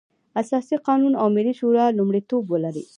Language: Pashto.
اساسي قانون او ملي شورا لومړيتوب ولري.